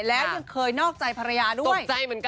และยังเคยนอกใจภรรยาด้วย